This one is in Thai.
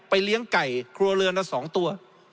เลี้ยงไก่ครัวเรือนละ๒ตัว